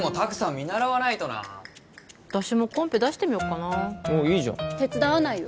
見習わないとな私もコンペ出してみよっかなおおいいじゃん手伝わないよ